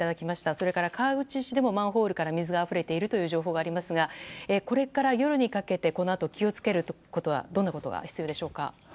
それから川口市でもマンホールから水があふれているという情報がありますがこれから夜にかけてこのあと気を付けることはどんなことが必要でしょうか？